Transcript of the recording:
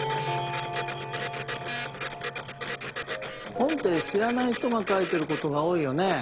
本ってしらないひとがかいてることがおおいよね。